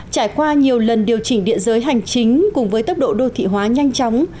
trải qua nhiều lần điều chỉnh địa giới hành chính cùng với tốc độ đô thị hóa nhanh chóng